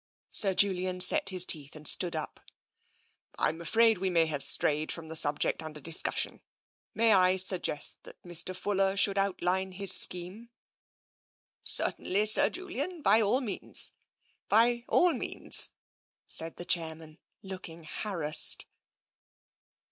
Sir Julian set his teeth and stood up. " I am afraid that we have strayed from the subject under discussion. May I suggest that Mr. Fuller should outline the scheme ?" Certainly, Sir Julian, by all means — by all means," said the chairman, looking harassed.